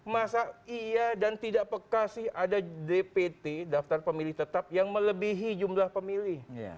masa iya dan tidak peka sih ada dpt daftar pemilih tetap yang melebihi jumlah pemilih